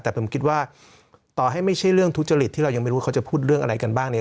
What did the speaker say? แต่ผมคิดว่าต่อให้ไม่ใช่เรื่องทุจริตที่เรายังไม่รู้เขาจะพูดเรื่องอะไรกันบ้างเนี่ย